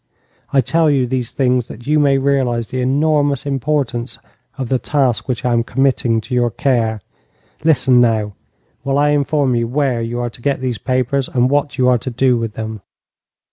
I tell you these things that you may realize the enormous importance of the task which I am committing to your care. Listen, now, while I inform you where you are to get these papers, and what you are to do with them.